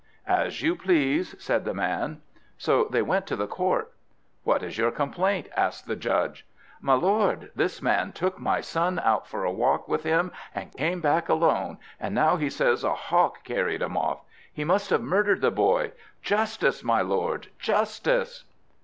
"As you please," said the man. So they went to the court. "What is your complaint?" asked the judge. "My lord, this man took my son out for a walk with him, and came back alone, and now he says a hawk carried him off. He must have murdered the boy! Justice, my lord, justice!"